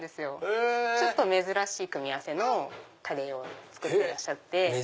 ⁉ちょっと珍しい組み合わせのカレーを作ってらっしゃって。